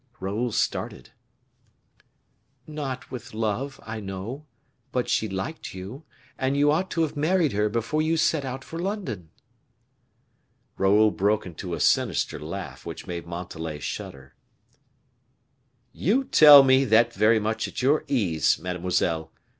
Raoul started. "Not with love, I know; but she liked you, and you ought to have married her before you set out for London." Raoul broke into a sinister laugh, which made Montalais shudder. "You tell me that very much at your ease, mademoiselle.